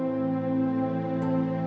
gopi kakak sudah datang sana